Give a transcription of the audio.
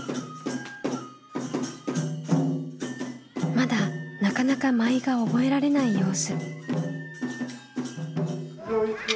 まだなかなか舞が覚えられない様子。